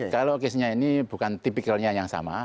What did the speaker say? kalau case nya ini bukan tipikalnya yang sama